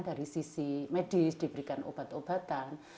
dari sisi medis diberikan obat obatan